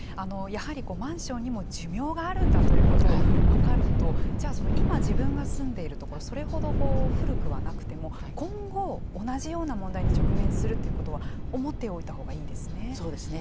やはりマンションにも寿命があるんだということを分かるとじゃあ今自分が住んでいるところそれほど古くはなくても今後、同じような問題に直面するということはそうですね。